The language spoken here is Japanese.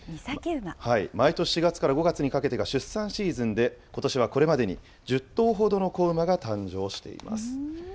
毎年４月から５月にかけてが出産シーズンで、ことしはこれまでに１０頭ほどの子馬が誕生しています。